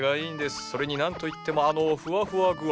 それに何といってもあのふわふわ具合！